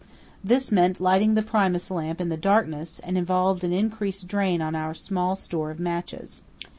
This meant lighting the Primus lamp in the darkness and involved an increased drain on our small store of matches.